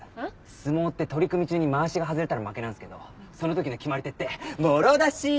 相撲って取組中にまわしが外れたら負けなんですけどその時の決まり手ってもろ出し！